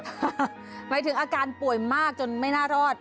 หมายถึงอาการป่วยมากจนไม่น่ารอด